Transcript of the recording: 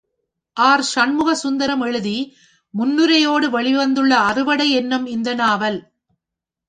ஆர்.ஷண்முகசுந்தரம் எழுதி முன்னுரை யோடு வெளி வந்துள்ள அறுவடை என்னும் இந்த நாவல்.